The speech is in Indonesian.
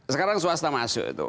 sekarang swasta masuk